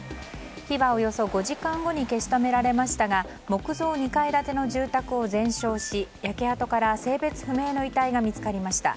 火はおよそ５時間後に消し止められましたが木造２階建ての住宅を全焼し焼け跡から性別不明の遺体が見つかりました。